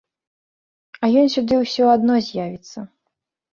А ён сюды ўсё адно з'явіцца.